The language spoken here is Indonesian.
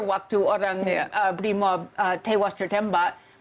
waktu orang brimo tewas tertembak